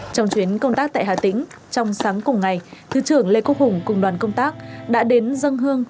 trong chuyến công tác tại hà tĩnh trong sáng cùng ngày thứ trưởng lê quốc hùng cùng đoàn công tác đã đến dân hương